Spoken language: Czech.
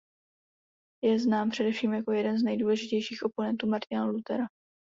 Je znám především jako jeden z nejdůležitějších oponentů Martina Luthera.